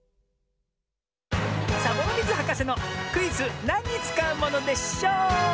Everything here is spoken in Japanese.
サボノミズはかせのクイズ「なんにつかうものでショー」！